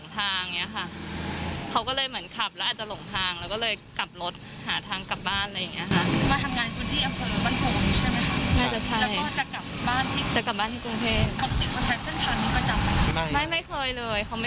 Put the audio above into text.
แต่เขาไม่ได้ดื่ม